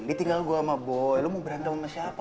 ditinggal gue sama boy lu mau berantem sama siapa